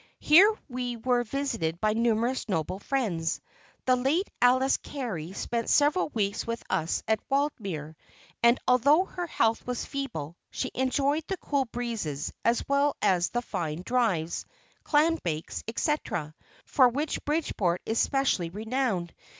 Here we were visited by numerous noble friends. The late Alice Cary spent several weeks with us at Waldemere, and although her health was feeble she enjoyed the cool breezes as well as the fine drives, clam bakes, etc., for which Bridgeport is specially renowned.